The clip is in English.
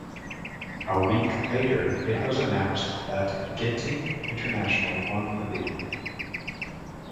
A week later it was announced that Genting International won the bid.